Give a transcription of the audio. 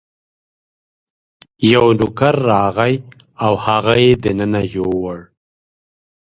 یو نوکر راغی او هغه یې دننه یووړ.